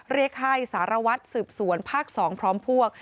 เรียกให้สารวัตรสืบสวนภาค๒พร้อมพวก